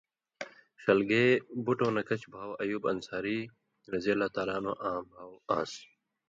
ݜلگے بُٹٶں نہ کَچھ بھاؤ ایوب انصاریؓ اں بھاؤ آن٘س۔